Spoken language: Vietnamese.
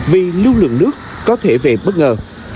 vì lưu lượng nước có thể về bất ngờ